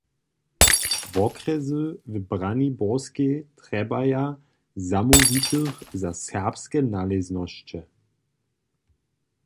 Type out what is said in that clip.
Wokrjesy w Braniborskej trjebaja zamołwitych za serbske naležnosće.